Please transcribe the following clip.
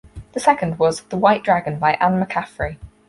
The second was "The White Dragon" by Anne McCaffrey.